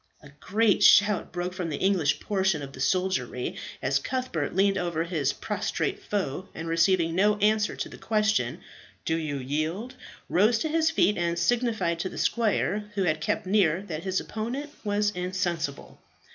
A great shout broke from the English portion of the soldiery as Cuthbert leant over his prostrate foe, and receiving no answer to the question "Do you yield?" rose to his feet, and signified to the squire who had kept near that his opponent was insensible.